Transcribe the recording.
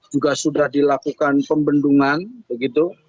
juga sudah dilakukan pembendungan begitu